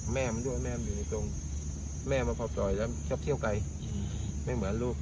แม่มันด้วยแม่มันอยู่ในตรงแม่มันพอจอยแล้วชอบเที่ยวไกลไม่เหมือนลูก